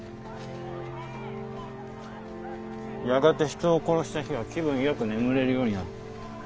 やがて人を殺した日は気分よく眠れるようになる。